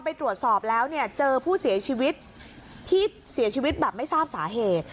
ไปตรวจสอบแล้วเนี่ยเจอผู้เสียชีวิตที่เสียชีวิตแบบไม่ทราบสาเหตุ